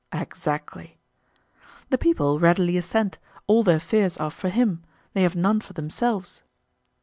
Exactly. The people readily assent; all their fears are for him—they have none for themselves.